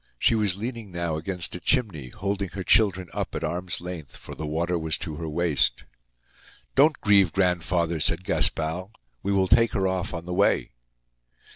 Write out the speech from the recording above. She was leaning now against a chimney, holding her children up at arm's length, for the water was to her waist. "Don't grieve, grandfather," said Gaspard. "We will take her off on the way."